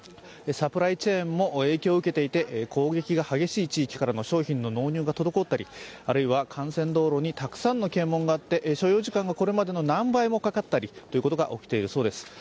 サプライチェーンも影響を受けていて攻撃が激しい地域からの商品の納入が滞ったりあるいは幹線道路にたくさんの検問があって、所要時間がこれまでの何倍もかかったりということが起きているそうです。